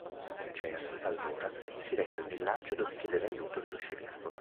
Jerry, allora, si reca al villaggio dove chiede l'aiuto dello sceriffo.